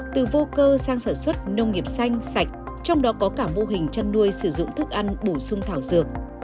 từ vô cơ sang sản xuất nông nghiệp xanh sạch trong đó có cả mô hình chăn nuôi sử dụng thức ăn bổ sung thảo dược